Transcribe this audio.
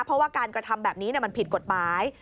เพราะว่าการกระทำแบบนี้มันผิดกฎหมาย